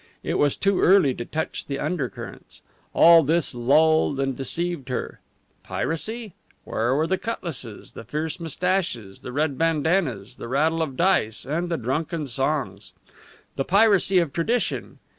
It was too early to touch the undercurrents. All this lulled and deceived her. Piracy? Where were the cutlasses, the fierce moustaches, the red bandannas, the rattle of dice, and the drunken songs? the piracy of tradition?